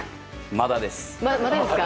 まだですか？